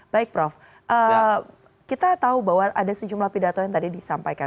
baik prof kita tahu bahwa ada sejumlah pidato yang tadi disampaikan